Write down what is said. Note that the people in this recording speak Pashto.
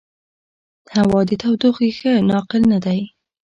هوا د تودوخې ښه ناقل نه دی.